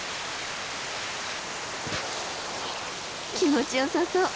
気持ちよさそう。